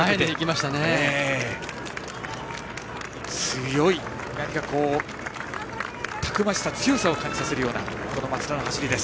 たくましさ、強さを感じさせるような松田の走りです。